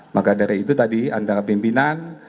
maka dari itu tadi antara pimpinan